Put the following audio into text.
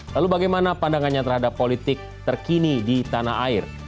lalu bagaimana pandangannya terhadap politik terkini di tanah air